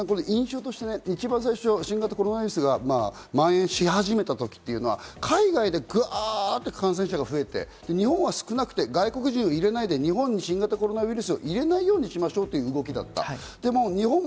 印象として新型コロナウイルスが蔓延し始めたとき、海外でグワっと感染者が増えて日本は少なくて、外国人を入れなくて、日本にコロナウイルスを入れないようにしましょうという動きだった。